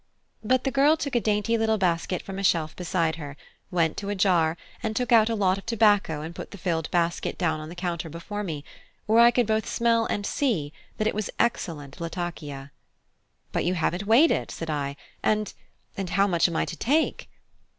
But the girl took a dainty little basket from a shelf beside her, went to a jar, and took out a lot of tobacco and put the filled basket down on the counter before me, where I could both smell and see that it was excellent Latakia. "But you haven't weighed it," said I, "and and how much am I to take?"